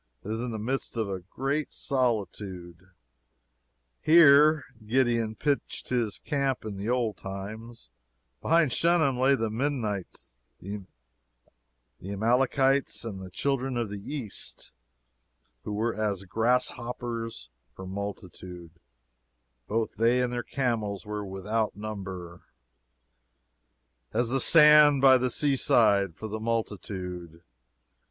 It is in the midst of a great solitude. Here Gideon pitched his camp in the old times; behind Shunem lay the "Midianites, the Amalekites, and the Children of the East," who were "as grasshoppers for multitude; both they and their camels were without number, as the sand by the sea side for multitude."